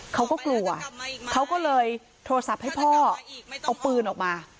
เขาก็กลัวเขาก็เลยโทรศัพท์ให้พ่อเอาปืนออกมา